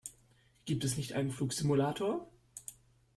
Gibt es nicht einen Flugsimulator?